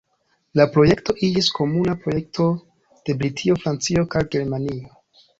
La projekto iĝis komuna projekto de Britio, Francio, kaj Germanio.